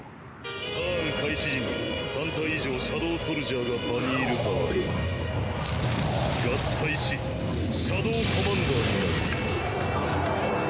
ターン開始時に３体以上シャドウソルジャーが場にいる場合合体しシャドウコマンダーになる。